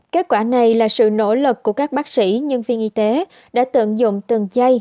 kết quả này là sự nỗ lực của các bác sĩ nhân viên y tế đã tận dụng từng chay